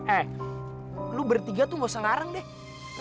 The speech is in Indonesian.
eh lo bertiga tuh nggak usah ngarang deh